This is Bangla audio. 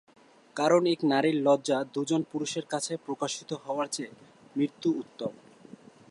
কারণ এক নারীর লজ্জা দু'জন পুরুষের কাছে প্রকাশিত হওয়ার চেয়ে মৃত্যু উত্তম।